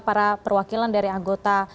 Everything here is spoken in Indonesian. para perwakilan dari anggota